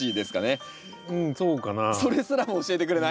それすらも教えてくれない。